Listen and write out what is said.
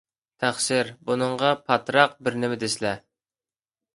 تەقسىر، بۇنىڭغا پاتراق بىرنېمە دېسىلە.